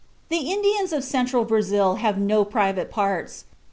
The Indians of Central Brazil have no "private parts."